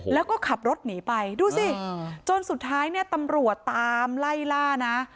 แล้วก็ขับรถหนีไปดูสิจนสุดท้ายเนี่ยตำรวจตามไล่ล่านะ